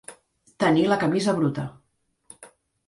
Tenir la camisa bruta.